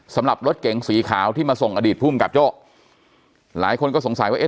สำหรับรถเก๋งสีขาวที่มาส่งอดีตภูมิกับโจ้หลายคนก็สงสัยว่าเอ๊